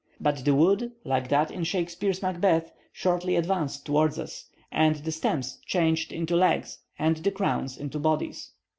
But the wood, like that in Shakspere's Macbeth, shortly advanced towards us, and the stems changed into legs and the crowns into bodies.